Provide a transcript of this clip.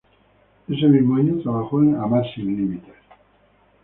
Ese mismo año, trabajó en "Amar sin límites".